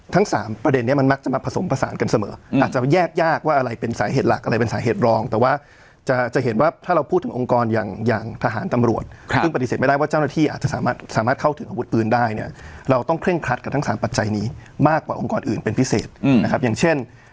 ทั้งสามประเด็นนี้มันมักจะมาผสมผสานกันเสมออาจจะแยกยากว่าอะไรเป็นสาเหตุหลักอะไรเป็นสาเหตุรองแต่ว่าจะเห็นว่าถ้าเราพูดถึงองค์กรอย่างอย่างทหารตำรวจซึ่งปฏิเสธไม่ได้ว่าเจ้าหน้าที่อาจจะสามารถเข้าถึงอาวุธปืนได้เนี่ยเราต้องเคร่งครัดกับทั้งสามปัจจัยนี้มากกว่าองค์กรอื่นเป็นพิเศษนะครับอย่างเช่น